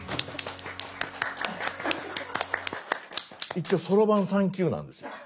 一応そろばん３級なんですよ。